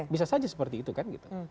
bisa saja seperti itu kan gitu